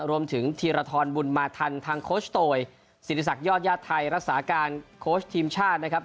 รวมถึงธีรฐรมุนมาธรรมทางโคชโตยศิริษักยอดยาทธ์ไทยรักษาการโคชทีมชาตินะครับ